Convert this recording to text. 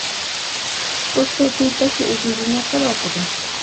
بۇ سوپى بەكلا ئۆزىنى بىلمەي قېلىۋاتىدۇ.